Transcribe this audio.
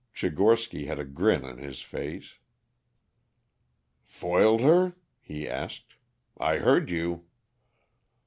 Tchigorsky had a grin on his face. "Foiled her?" he asked. "I heard you."